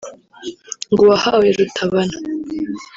ngo uwahawe Rutabana